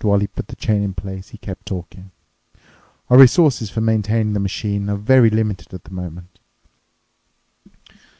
And while he put the chain in place, he kept talking, "Our resources for maintaining the machine are very limited at the moment.